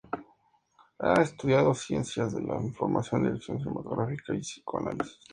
Ha estudiado ciencias de la información, dirección cinematográfica y psicoanálisis.